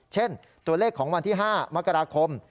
เช่นตัวเลขของวันที่๕มกราคม